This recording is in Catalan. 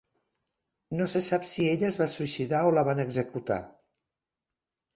No se sap si ella es va suïcidar o la van executar.